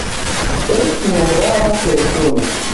Estu morala persono.